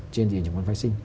trên tiền chứng khoán phát sinh